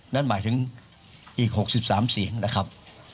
นั่นหมายถึงอีก๖๓เสียงนะครับ